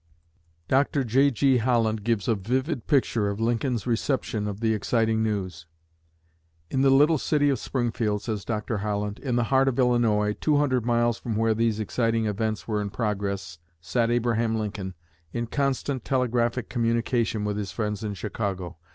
Dr. J.G. Holland gives a vivid picture of Lincoln's reception of the exciting news. "In the little city of Springfield," says Dr. Holland, "in the heart of Illinois, two hundred miles from where these exciting events were in progress, sat Abraham Lincoln, in constant telegraphic communication with his friends in Chicago.